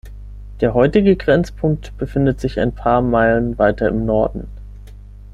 Der heutige Grenzpunkt befindet sich ein paar Meilen weiter im Norden.